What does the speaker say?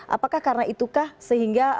apakah karena itukah sehingga